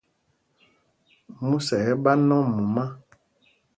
Músa ɛ́ ɛ́ ɓá nɔm mumá.